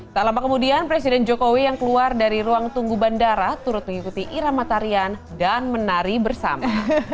tak lama kemudian presiden jokowi yang keluar dari ruang tunggu bandara turut mengikuti irama tarian dan menari bersama